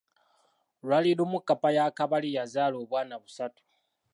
Lwali lumu kkapa ya Kabali yazaala obwana busatu.